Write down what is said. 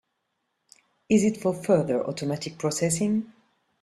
Is it for further automatic processing?